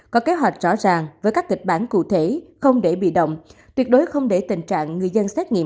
có kế hoạch rõ ràng với các kịch bản cụ thể không để bị động tuyệt đối không để tình trạng người dân xét nghiệm